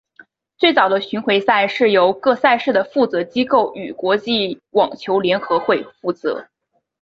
最早的巡回赛是由各赛事的负责机构与国际网球联合会负责。